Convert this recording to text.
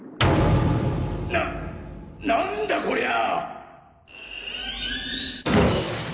ななんだこりゃあ。